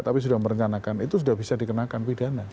tapi sudah merencanakan itu sudah bisa dikenakan pidana